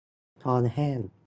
คอแห้ง